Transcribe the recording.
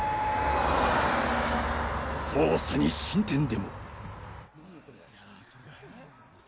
捜査に進展でも。